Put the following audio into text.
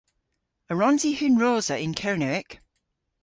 A wrons i hunrosa yn Kernewek?